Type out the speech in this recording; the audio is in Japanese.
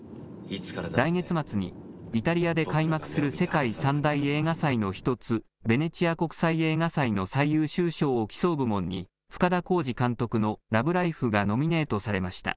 来月末にイタリアで開幕する世界三大映画祭の一つ、ベネチア国際映画祭の最優秀賞を競う部門に深田晃司監督のＬＯＶＥＬＩＦＥがノミネートされました。